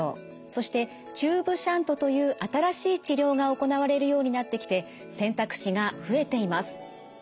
そしてチューブシャントという新しい治療が行われるようになってきて選択肢が増えています。